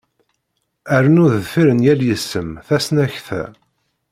Rnu deffir n yal isem tasnakta.